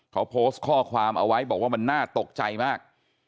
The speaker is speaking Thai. เขาโพสต์ข้อความเอาไว้บอกว่ามันน่าตกใจมาก